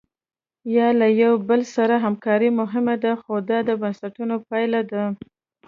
یا له یو بل سره همکاري مهمه ده خو دا د بنسټونو پایله ده.